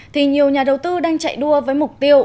thì nhiều nhà đầu tư đang chạy đua với mục tiêu